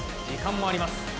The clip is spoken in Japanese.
時間もあります。